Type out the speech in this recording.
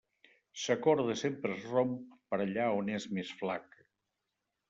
Sa corda sempre es romp per allà on és més flaca.